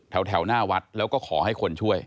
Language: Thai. แถวหน้าวัดแล้วก็ขอให้คนช่วย